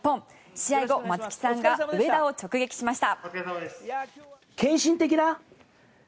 試合後、松木さんが上田を直撃しました。